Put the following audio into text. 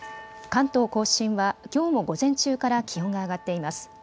関東甲信はきょうも午前中から気温が上がっています。